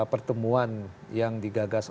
pertemuan yang digagas